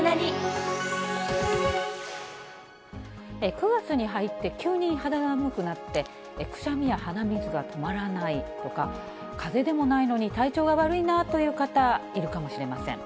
９月に入って急に肌寒くなって、くしゃみや鼻水が止まらないとか、かぜでもないのに体調が悪いなという方、いるかもしれません。